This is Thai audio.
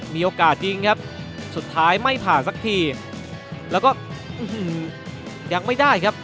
มีโอกาสยิงครับสุดท้ายไม่ผ่านสักทีแล้วก็ยังไม่ได้ครับ